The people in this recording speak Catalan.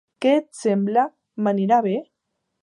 Què et sembla, m'anirà bé?